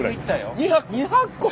２００個！？